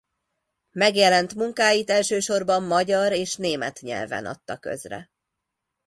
Megjelent munkáit elsősorban magyar és német nyelven adta közre.